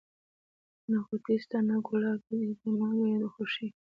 نه غوټۍ سته نه ګلاب یې دی ملګری د خوښیو